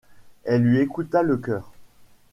Elle lui écouta le cœur.